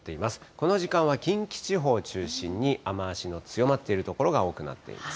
この時間は近畿地方を中心に、雨足の強まっている所が多くなっています。